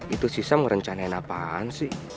itu sisa merencanain apaan sih